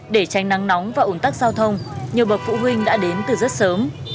để tránh nắng nóng và ủn tắc giao thông nhiều bậc phụ huynh đã đến từ rất sớm